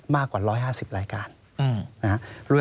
มากกว่า๑๕๐รายการ